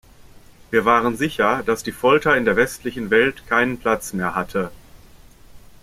Wir waren sicher, dass die Folter in der westlichen Welt keinen Platz mehr hatte.